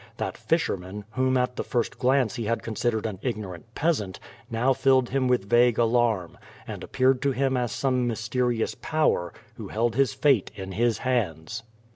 That fisherman, whom at the first glance he had considered an ignorant peasant, now filled him with vague alarm, and appeared to him as some mysterious power who held his fate in his hands.